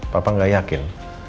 papa gak yakin